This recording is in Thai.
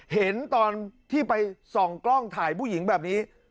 เห็นตอนที่ไปส่องกล้องถ่ายผู้หญิงแบบนี้